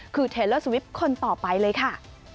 คือเทลเลอร์สวิปคนต่อไปเลยค่ะ